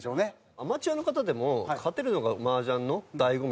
アマチュアの方でも勝てるのが麻雀の醍醐味というか。